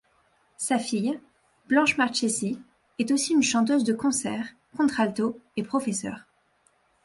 Sa fille, Blanche Marchesi est aussi une chanteuse de concert, contralto, et professeure.